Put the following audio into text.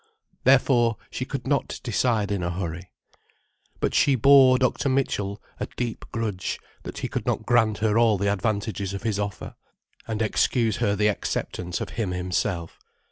Therefore, she could not decide in a hurry. But she bore poor Dr. Mitchell a deep grudge, that he could not grant her all the advantages of his offer, and excuse her the acceptance of him himself.